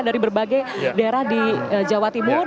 dari berbagai daerah di jawa timur